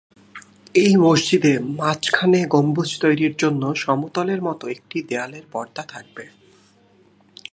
এই মসজিদে মাঝখানে গম্বুজ তৈরির জন্য সমতলের মত একটি দেয়ালের পর্দা থাকবে।